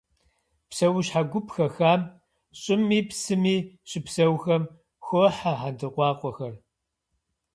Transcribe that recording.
Псэущхьэ гуп хэхам, щӏыми псыми щыпсэухэм, хохьэ хьэндыркъуакъуэхэр.